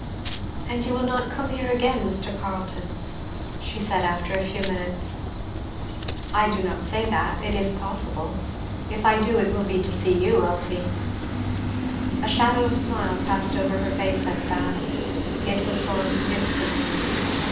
"And you will not come here again, Mr. Carleton?" she said after a few minutes. "I do not say that it is possible if I do, it will be to see you, Elfie." A shadow of a smile passed over her face at that. It was gone instantly.